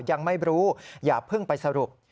ยังไม่รู้อย่าเพิ่งไปสรุป